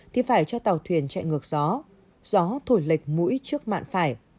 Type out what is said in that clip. thì phải cho tàu thuyền chạy ngược gió gió thổi lệch mũi trước mạn phải